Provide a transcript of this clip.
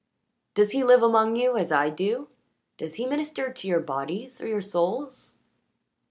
Does he live among you as I do? Does he minister to your bodies? Or your souls?"